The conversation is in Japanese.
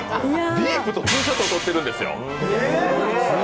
ディープとツーショットで撮ってるんですよ。